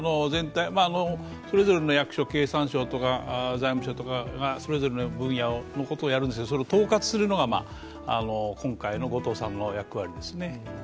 それぞれの役所、経産省や財務省がそれぞれの分野のことをやるんですけれどもそれを統括するのが今回の後藤さんの役割ですね。